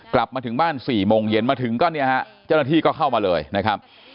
กลับมาถึงบ้าน๔โมงเย็นมาถึงก็เนี่ยฮะเจ้าหน้าที่ก็เข้ามาเลยนะครับ